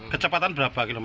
kecepatan berapa km